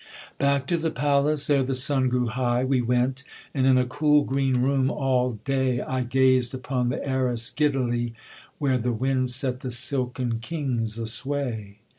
Back to the palace, ere the sun grew high, We went, and in a cool green room all day I gazed upon the arras giddily, Where the wind set the silken kings a sway.